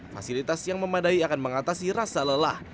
fasilitas yang memadai akan mengatasi rasa lelah